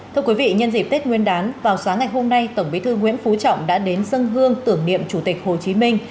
thưa quý vị nhân dịp tết nguyên đán vào sáng ngày hôm nay tổng bí thư nguyễn phú trọng đã đến dân hương tưởng niệm chủ tịch hồ chí minh